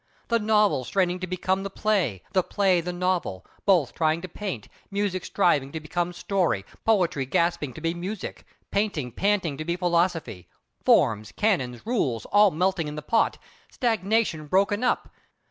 The novel straining to become the play, the play the novel, both trying to paint; music striving to become story; poetry gasping to be music; painting panting to be philosophy; forms, canons, rules, all melting in the pot; stagnation broken up!